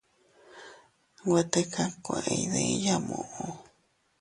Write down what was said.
Nwe tikakue iydiya muʼu.